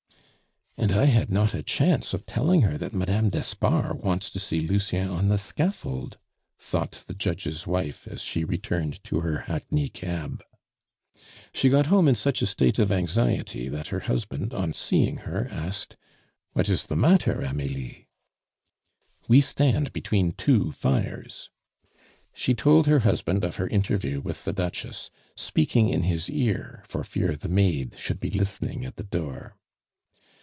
"And I had not a chance of telling her that Madame d'Espard wants to see Lucien on the scaffold!" thought the judge's wife as she returned to her hackney cab. She got home in such a state of anxiety that her husband, on seeing her, asked: "What is the matter, Amelie?" "We stand between two fires." She told her husband of her interview with the Duchess, speaking in his ear for fear the maid should be listening at the door.